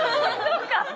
そうか！